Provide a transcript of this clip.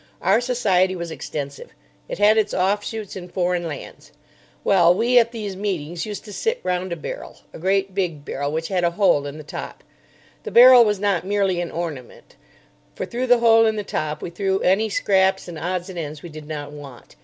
Our society was extensive. It had its offshoots in foreign lands. Well, we at these meetings used to sit round a barrel—a great big barrel, which had a hole in the top. The barrel was not merely an ornament, for through the hole in the top we threw any scraps and odds and ends we did not want.